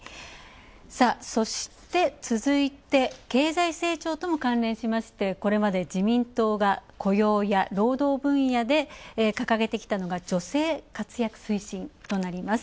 そして続いて、経済成長とも関連してこれまで自民党が雇用や労働分野で掲げてきたのが女性活躍推進となります。